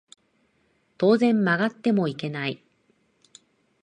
当然曲がってもいけない